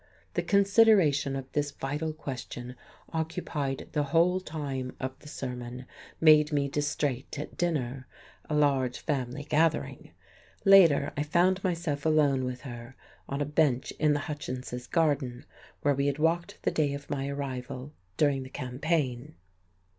The consideration of this vital question occupied the whole time of the sermon; made me distrait at dinner, a large family gathering. Later I found myself alone with heron a bench in the Hutchinses' garden where we had walked the day of my arrival, during the campaign.